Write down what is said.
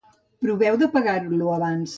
Proveu d'apagar-lo abans.